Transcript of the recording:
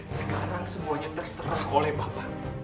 sekarang semuanya terserah oleh bapak